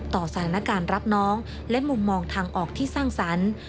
ต่อสถานการณ์รับน้องและมุมมองทางออกที่สร้างสรรค์